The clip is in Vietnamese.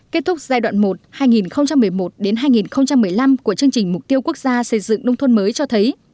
kết thúc giai đoạn một hai nghìn một mươi một hai nghìn một mươi năm của chương trình mục tiêu quốc gia xây dựng nông thôn mới cho thấy